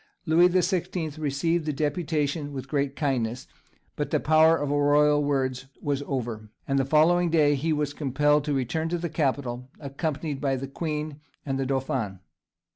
Louis the Sixteenth received the deputation with great kindness, but the power of royal words was over, and the following day he was compelled to return to the capital, accompanied by the Queen and the dauphin.